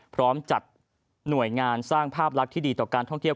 พร้อมจัดหน่วยงานสร้างภาพลักษณ์ที่ดีต่อการท่องเที่ยว